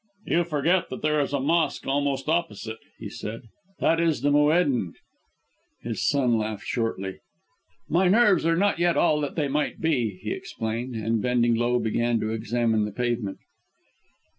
"You forget that there is a mosque almost opposite," he said. "That is the mueddin!" His son laughed shortly. "My nerves are not yet all that they might be," he explained, and bending low began to examine the pavement.